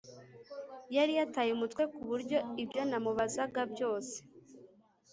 Yari yataye umutwe ku buryo ibyo namubazaga byose